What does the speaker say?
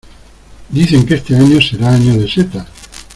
Dicen que este año será año de setas.